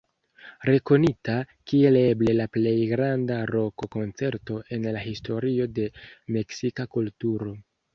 Rekonita kiel eble la plej granda roka koncerto en la historio de meksika kulturo.